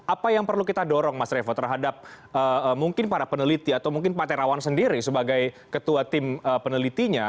apa yang perlu kita dorong mas revo terhadap mungkin para peneliti atau mungkin pak terawan sendiri sebagai ketua tim penelitinya